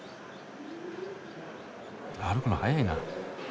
歩くの速いな。